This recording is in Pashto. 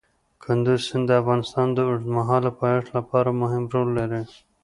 کندز سیند د افغانستان د اوږدمهاله پایښت لپاره مهم رول لري.